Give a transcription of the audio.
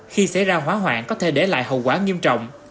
khi xảy ra hóa hoạn có thể để lại hậu quả nghiêm trọng